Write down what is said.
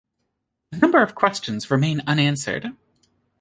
A number of questions remain unanswered.